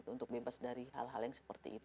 untuk bebas dari hal hal yang seperti itu